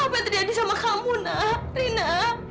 apa yang terjadi sama kamu nak rina